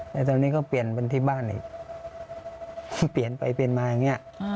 แล้วตอนนี้ก็เปลี่ยนเป็นที่บ้านอีกที่เปลี่ยนไปเปลี่ยนมาอย่างนี้